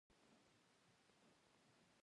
بادرنګ د معدې درد کموي.